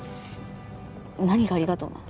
何がありがとうなの？